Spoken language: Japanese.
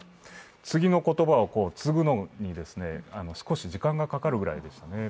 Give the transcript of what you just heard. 次の言葉を継ぐのに、少し時間がかかるくらいですね。